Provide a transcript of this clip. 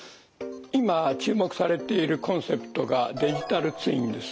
今注目されているコンセプトがデジタルツインです。